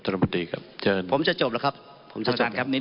ท่านบันดีครับเชิญผมจะจบแล้วครับสมทานครับ